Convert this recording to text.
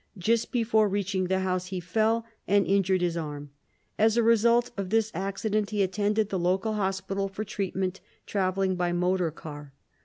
Just before reaching the house, he fell and injured his arm. As a result of this accident, he attended the local hospital for treatment, traveling by motor car.